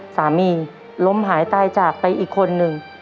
สามีล้มหายตายจากไปอีกคนนึง